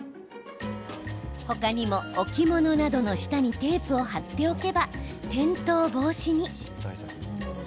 他にも、置物などの下にテープを貼っておけば転倒防止に。